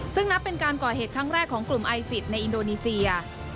ซึ่งนับเป็นการก่อเหตุครั้งแรกของกลุ่มไอซิสในอินโดนีเซีย